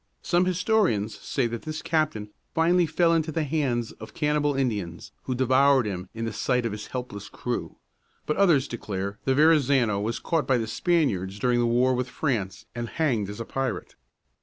Some historians say that this captain finally fell into the hands of cannibal Indians, who devoured him in the sight of his helpless crew; but others declare that Verrazano was caught by the Spaniards during a war with France, and hanged as a pirate.